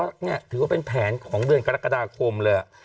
ก็เป็นแผนของเดือนกรกฎาคมเลย